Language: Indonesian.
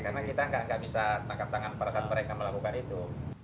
karena kita nggak bisa tangkap tangan para satwereka melakukan itu